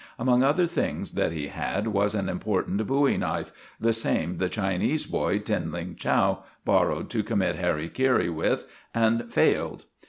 Among other things that he had was an important bowie knife—the same the Chinese boy, Tin Lin Chow, borrowed to commit 'harri kari' with and failed.